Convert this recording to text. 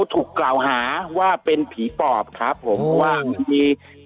คุณติเล่าเรื่องนี้ให้ฟังหน่อยครับมันเป็นหมายยังไงฮะ